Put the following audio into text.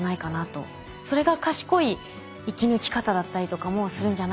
それが賢い生き抜き方だったりとかもするんじゃないかなって思いました。